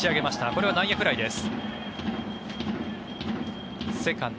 これは内野フライです。